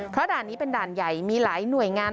เพราะด่านนี้เป็นด่านใหญ่มีหลายหน่วยงาน